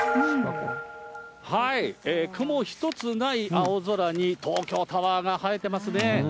雲一つない青空に、東京タワーが映えてますね。